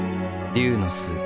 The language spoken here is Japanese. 龍の巣